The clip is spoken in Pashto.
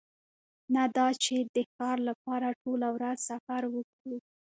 نه دا چې د ښار لپاره ټوله ورځ سفر وکړو